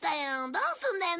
どうするんだよ